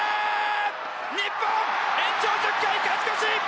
日本、延長１０回勝ち越し！